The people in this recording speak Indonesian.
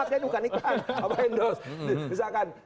ini bukan ikan apa indos